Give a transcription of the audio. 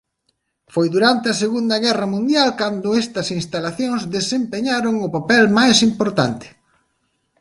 Foi durante a segunda guerra mundial cando estas instalacións desempeñaron o papel máis importante.